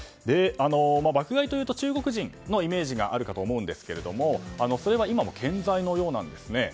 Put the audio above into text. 爆買いというと中国人のイメージがあるかと思うんですがそれは今も健在のようなんですね。